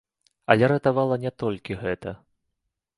Але ратавала не толькі гэта.